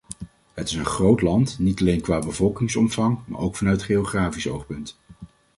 Het is een groot land, niet alleen qua bevolkingsomvang maar ook vanuit geografisch oogpunt.